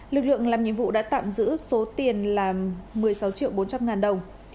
lực lượng làm nhiệm vụ đã tạm giữ số tiền là một mươi sáu triệu bốn trăm linh ngàn đồng